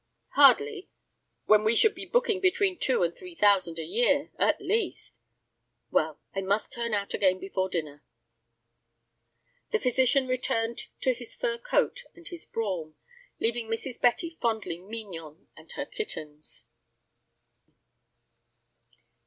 "Hardly, when we should be booking between two and three thousand a year—at least. Well, I must turn out again before dinner." The physician returned to his fur coat and his brougham, leaving Mrs. Betty fondling Mignon and her kittens.